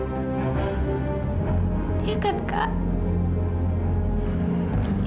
iya kan kak